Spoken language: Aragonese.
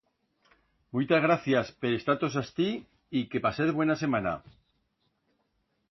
Muitas gracias per estar-tos astí, y que pasez buena semana!